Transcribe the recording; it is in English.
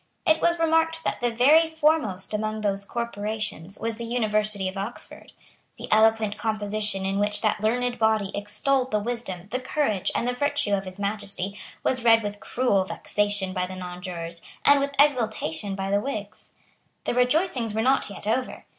It was remarked that the very foremost among those corporations was the University of Oxford. The eloquent composition in which that learned body extolled the wisdom, the courage and the virtue of His Majesty, was read with cruel vexation by the nonjurors, and with exultation by the Whigs. The rejoicings were not yet over.